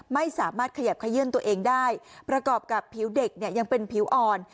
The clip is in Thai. ไม่สามารถขยับขยื่นตัวเองได้ประกอบกับผิวเด็กเนี่ยยังเป็นผิวอ่อน